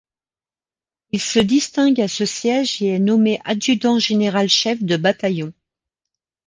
Il se distingue à ce siège et est nommé adjudant-général chef de bataillon.